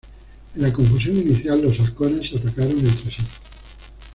En la confusión inicial, los "Halcones" se atacaron entre sí.